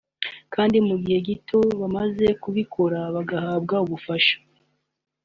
kandi mu gihe gito bamaze kubikora bahabwa ubufasha